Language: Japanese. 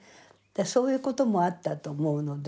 そういうこともあったと思うので。